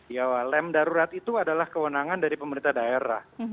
ya lem darurat itu adalah kewenangan dari pemerintah daerah